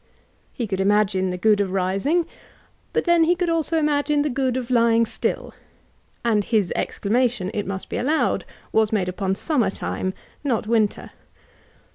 He could imagine the good of rising ; but then he could also imagine the good of lying still; and his exclamation, it must be allowed, was made upon summer time, not winter.